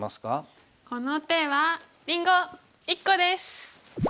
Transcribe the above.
この手はりんご１個です！